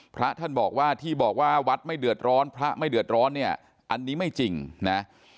พระท่านบอกว่าที่บอกว่าวัดไม่เดือดร้อนพระไม่เดือดร้อนเนี่ยอันนี้ไม่จริงนะ